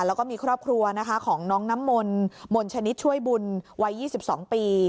แล้วก็มีครอบครัวนะคะของน้องน้ำมนต์มนชนิดช่วยบุญวัย๒๒ปี